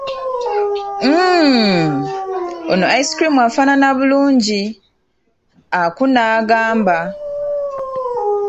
Mmmm, ono ice cream afaanana bulungi, Aku n'agamba.